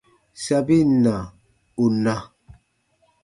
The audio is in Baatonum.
Sabin na, ù na.